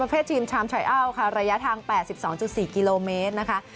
ประเภททีมชามชายอ้าวค่ะระยะทาง๘๒๔กิโลเมตร